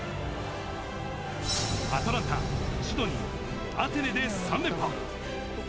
アトランタ、シドニーアテネで３連覇。